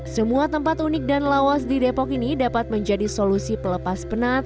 semua tempat unik dan lawas di depok ini dapat menjadi solusi pelepas penat